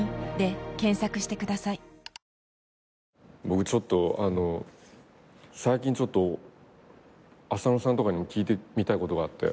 僕最近ちょっと浅野さんとかにも聞いてみたいことがあって。